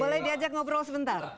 boleh diajak ngobrol sebentar